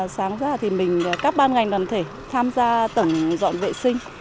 sáng ra thì mình các ban ngành đoàn thể tham gia tổng dọn vệ sinh